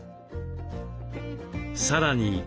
さらに。